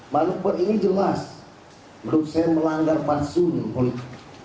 manuver ini jelas menurut saya melanggar farsun politik